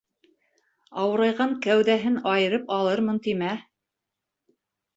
Ауырайған кәүҙәһен айырып алырмын тимә.